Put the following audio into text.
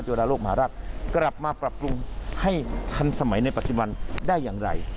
จุฬาโลกมหาราชกลับมาปรับปรุงให้ทันสมัยในปัจจุบันได้อย่างไร